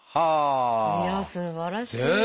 いやすばらしい！